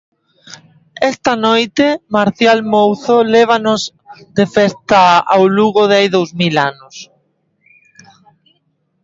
Esta noite, Marcial Mouzo lévanos de festa ao Lugo de hai dous mil anos.